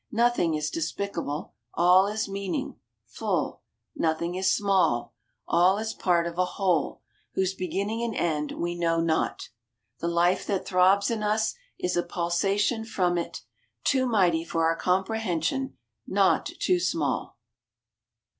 Nothing is despicable all is meaning full; nothing is small all is part of a whole, whose beginning and end we know not. The life that throbs in us is a pulsation from it; too mighty for our comprehension, not too small.